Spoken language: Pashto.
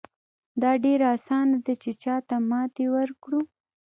دا ډېره اسانه ده چې چاته ماتې ورکړو.